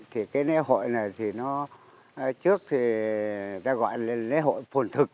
thì cái lễ hội này thì nó trước thì ta gọi là lễ hội phồn thực